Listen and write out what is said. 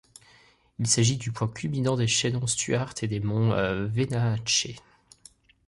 Il s'agit du point culminant du chaînon Stuart et des monts Wenatchee.